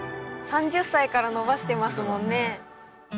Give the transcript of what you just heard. ３０歳から伸ばしてますもんね。